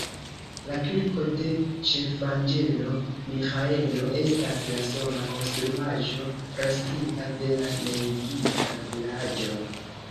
La Kirko de Ĉefanĝelo Miĥaelo estas la sola konstruaĵo, restinta de la neniigita vilaĝo.